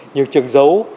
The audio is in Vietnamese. nhiều trường giấu